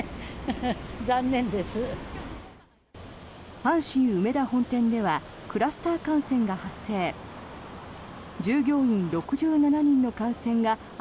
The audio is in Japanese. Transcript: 阪神梅田本店ではクラスター感染が発生。